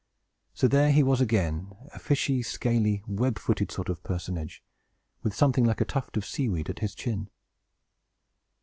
So there he was again, a fishy, scaly, web footed sort of personage, with something like a tuft of sea weed at his chin.